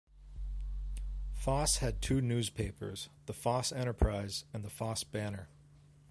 Foss had two newspapers, the "Foss Enterprise" and the "Foss Banner".